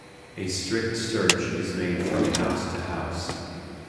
A strict search is made from house to house.